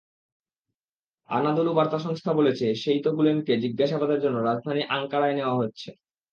Anadolu বার্তা সংস্থা বলেছে, সেইত গুলেনকে জিজ্ঞাসাবাদের জন্য রাজধানী আঙ্কারায় নেওয়া হচ্ছে।